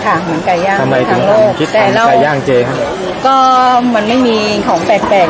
ค่ะเหมือนไก่ย่างทั้งโลกแต่เราก็มันไม่มีของแปลกแปลก